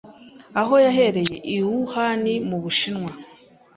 Aho yahereye i Wuhan mu Bushinwa